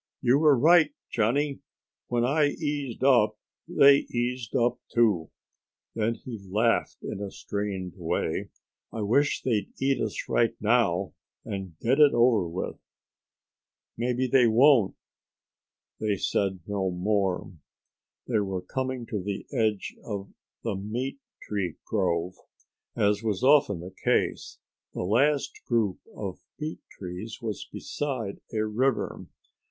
"You were right, Johnny. When I eased up they eased up, too." Then he laughed in a strained way. "I wish they'd eat us right now and get it over with." "Maybe they won't." They said no more. They were coming to the edge of the meat tree grove. As was often the case, the last group of meat trees was beside a river.